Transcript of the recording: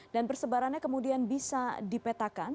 dan persebarannya kemudian bisa dipetakan